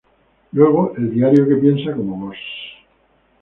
Luego: ""El diario que piensa como vos"".